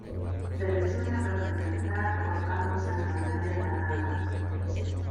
Se le suele representar portando unas sandalias aladas.